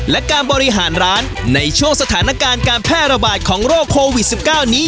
และการบริหารร้านในช่วงสถานการณ์การแพร่ระบาดของโรคโควิด๑๙นี้